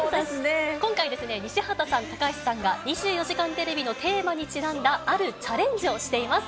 今回、西畑さん、高橋さんが、２４時間テレビのテーマにちなんだ、あるチャレンジをしています。